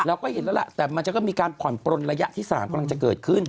เราก็เห็นแล้วล่ะแต่มันจะก็มีการผ่อนปลนระยะที่๓กำลังจะเกิดขึ้น